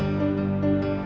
ate bisa menikah